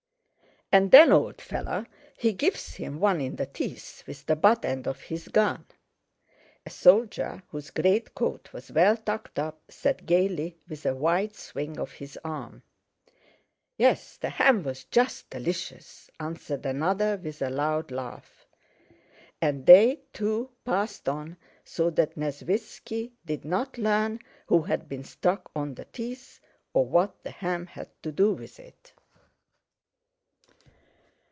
"And then, old fellow, he gives him one in the teeth with the butt end of his gun..." a soldier whose greatcoat was well tucked up said gaily, with a wide swing of his arm. "Yes, the ham was just delicious..." answered another with a loud laugh. And they, too, passed on, so that Nesvítski did not learn who had been struck on the teeth, or what the ham had to do with it.